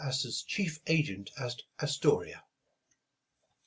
Astor 's chief agent at Astoria.